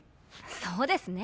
そうですね。